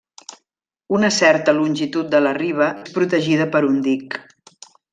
Una certa longitud de la riba és protegida per un dic.